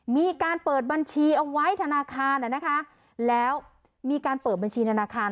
มีการเปิดบัญชีเอาไว้ธนาคารแล้วมีการเปิดบัญชีธนาคาร